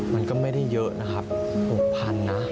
มันก็ไม่ได้เยอะนะครับ๖๐๐๐นะ